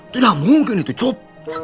tidak mungkin itu cep